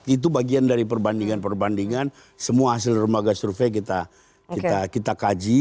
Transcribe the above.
itu bagian dari perbandingan perbandingan semua hasil remaga survei kita kaji